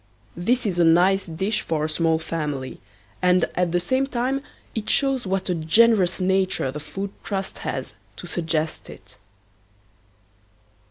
This is a nice dish for a small family and at the same time it shows what a generous nature the Food Trust has to suggest it.